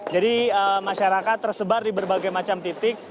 jadi masyarakat tersebar di berbagai macam titik